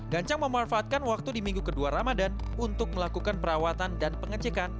ganjang memanfaatkan waktu di minggu kedua ramadan untuk melakukan perawatan dan pengecekan